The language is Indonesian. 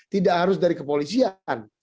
tidak harus dari kepolisian